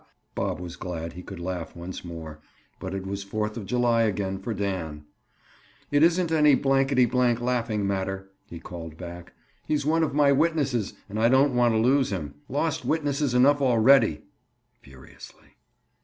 Bob was glad he could laugh once more, but it was Fourth of July again for Dan. "It isn't any blankety blank laughing matter," he called back. "He's one of my witnesses and I don't want to lose him. Lost witnesses enough already!" Furiously.